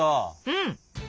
うん。